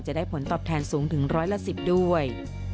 จะได้ผลตอบแทนสูงถึงร้อยละ๑๐ด้วย